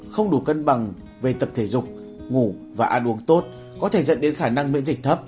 không đủ cân bằng về tập thể dục ngủ và ăn uống tốt có thể dẫn đến khả năng miễn dịch thấp